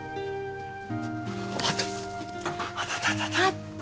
あった！